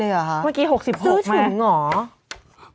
เมื่อกี้๖๖ไหมซื้อถึงหรอ